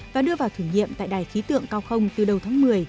và đưa vào thử nghiệm tại đài khí tượng cao không từ đầu tháng một mươi